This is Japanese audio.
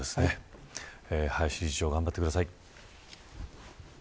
林理事長、頑張ってください。